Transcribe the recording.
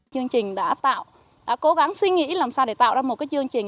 chương trình đã tạo đã cố gắng suy nghĩ làm sao để tạo ra một cái chương trình